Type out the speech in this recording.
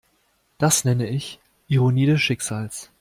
Das nenne ich Ironie des Schicksals.